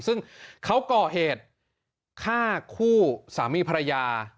ซึ่งเขาก่อเหตุฆ่าคู่สามีภรรยา